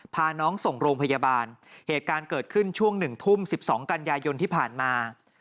พาน้องส่งโรงพยาบาลเหตุการณ์เกิดขึ้นช่วง๑ทุ่ม๑๒กันยายนที่ผ่านมา